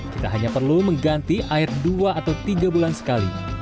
kita hanya perlu mengganti air dua atau tiga bulan sekali